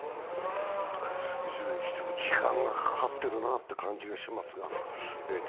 いずれにしても時間がかかっているなという感じがしていますが。